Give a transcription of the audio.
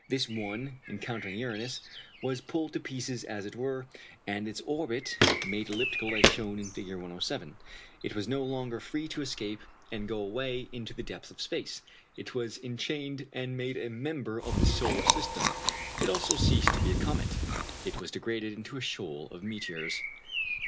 This one, encountering Uranus, was pulled to pieces as it were, and its orbit made elliptical as shown in Fig. 107. It was no longer free to escape and go away into the depths of space: it was enchained and made a member of the solar system. It also ceased to be a comet; it was degraded into a shoal of meteors.